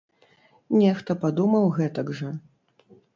Нехта падумаў гэтак жа.